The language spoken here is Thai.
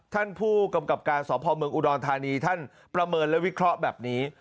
ท่านผู้กำกับการสพเมืองอุดรธานีท่านประเมินและวิเคราะห์แบบนี้